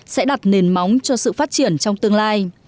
sẽ đặt nền móng cho sự phát triển trong tương lai